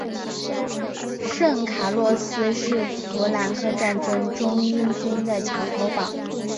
圣卡洛斯是福克兰战争中英军的桥头堡。